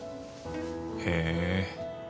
へえ。